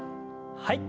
はい。